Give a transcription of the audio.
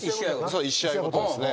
そう１試合ごとですね。